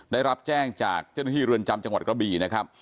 ได้รับแจ้งจากเจ้าหน้าที่เรือนจำจังหวัดกระบี่นะครับ